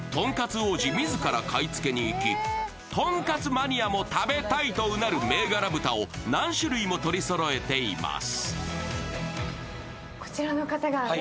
王子自ら買い付けに行き、とんかつマニアも食べたいとうなる銘柄豚を何種類も取りそろえています。